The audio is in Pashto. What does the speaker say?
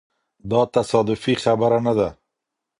دا تصادفي خبره نه ده.